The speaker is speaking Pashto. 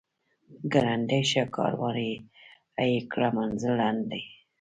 ګړندی شه کاروان هی کړه منزل لنډ دی.